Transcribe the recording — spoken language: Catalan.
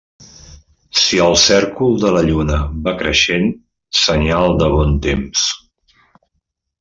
Si el cèrcol de la lluna va creixent, senyal de bon temps.